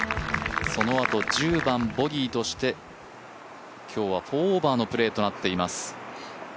そのあと、１０番ボギーとして今日は４オーバーのプレーとなっています。